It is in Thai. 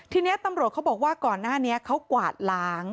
ทีนี้ตำรวจเขาบอกว่าก่อนหน้านี้เขากวาดล้าง